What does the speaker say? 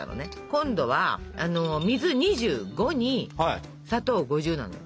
今度は水２５に砂糖５０なのよ。